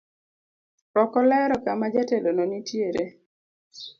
Ok olero kama jatelono nitiere.